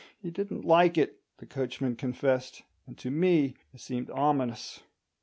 He didn't like it, the coachman confessed; and to me it seemed ominous.